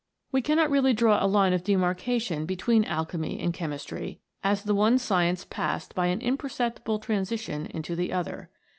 We cannot really draw a line of demarcation between alchemy and chemistry, as the one science passed by an imper ceptible transition into the other.